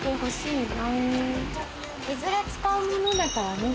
いずれ使うものだからね。